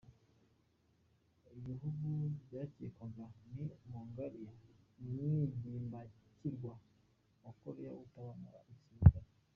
Ibihugu byakekwaga ni Mongolia umwigimbakirwa wa Koreya utabamo igisirikare.